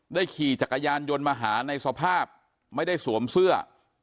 ขี่จักรยานยนต์มาหาในสภาพไม่ได้สวมเสื้อ